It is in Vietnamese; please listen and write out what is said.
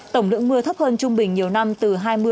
tổng lượng mưa thấp hơn trung bình nhiều năm từ hai mươi